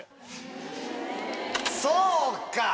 そうか！